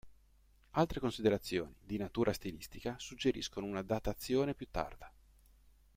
Altre considerazioni, di natura stilistica, suggeriscono una datazione più tarda.